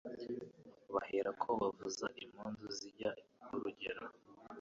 Bahera ko bavuza impundu Zijya urugera,